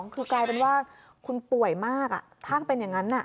คือกลายเป็นว่าคุณป่วยมากถ้าเป็นอย่างนั้น